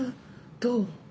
どう？